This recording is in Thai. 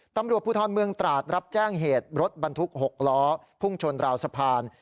ตำรวจภูทรเมืองตราดรับแจ้งเหตุรถบรรทุก๖ล้อพุ่งชนราวสะพาน